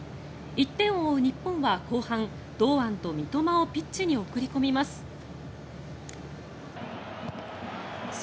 １点を追う日本は後半堂安と三笘をピッチに送り込みます。